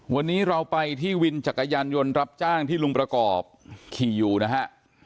วันนี้เราไปที่วินจักรยานยนต์รับจ้างที่ลุงประกอบขี่อยู่นะฮะ